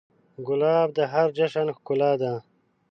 ګلاب د هر جشن ښکلا ده.